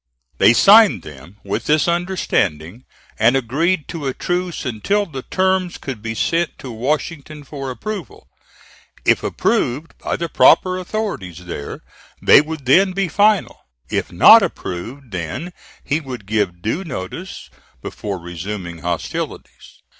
They signed them with this understanding, and agreed to a truce until the terms could be sent to Washington for approval; if approved by the proper authorities there, they would then be final; if not approved, then he would give due notice, before resuming hostilities.